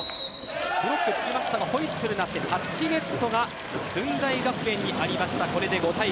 ブロックつきましたがホイッスルが鳴ってタッチネットが駿台学園にありました。